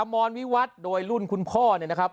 มรวิวัตรโดยรุ่นคุณพ่อเนี่ยนะครับ